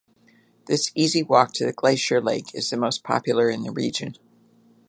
This easy walk to the glacier lake is the most popular in the region.